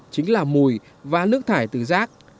chính là mùi và nước thải từ rác